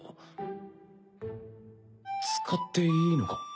使っていいのか？